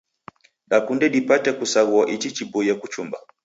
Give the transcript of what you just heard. Dakunde dipate kusaghua ichi chiboie kuchumba.